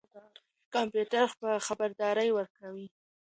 کمپيوټر خبردارى ورکوي.